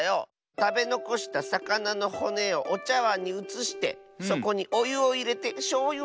たべのこしたさかなのほねをおちゃわんにうつしてそこにおゆをいれてしょうゆをチョロっとたらすのじゃ。